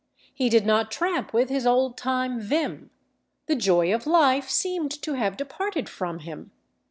He did not tramp with his old time vim; the joy of life seemed to have departed from him.